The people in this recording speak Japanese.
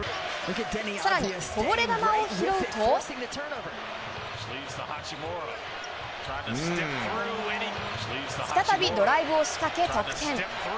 さらにこぼれ球を拾うと、再びドライブを仕掛け、得点。